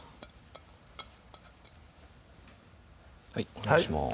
はいお願いします